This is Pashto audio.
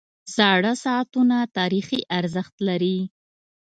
• زاړه ساعتونه تاریخي ارزښت لري.